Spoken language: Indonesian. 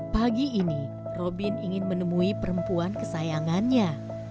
pagi ini robin ingin menemui perempuan kesayangannya